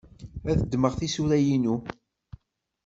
Ad ddmeɣ tisura-inu.